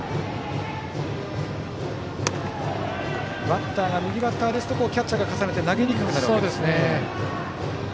バッターが右バッターですとキャッチャーが重なって投げにくくなるわけですね。